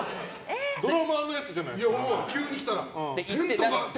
ドラマのやつじゃないですか。